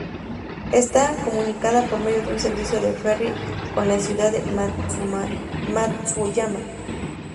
Está comunicada por medio de un servicio de ferry con la Ciudad de Matsuyama.